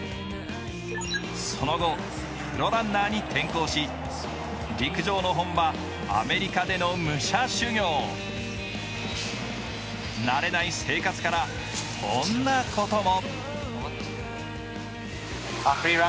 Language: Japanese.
その後、プロランナーに転向し、陸上の本場・アメリカでの武者修行慣れない生活からこんなことも。